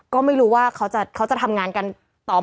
ก็ไม่รู้ว่าเขาจะทำงานกันต่อ